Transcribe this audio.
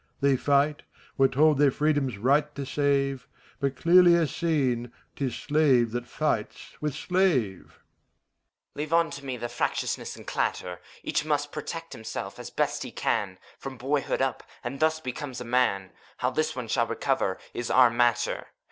They fight, we're told their freedom's right to save ; But, clearlier seen, 't is slave that fights with slave. HOMUNCULUS. Leave unto me their f ractiousness and clatter. Each must protect himself, as best he can. From boyhood up, and thus becomes a man. How this one shall recover, is our matter.